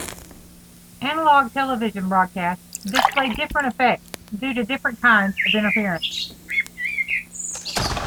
Analog television broadcasts display different effects due to different kinds of interference.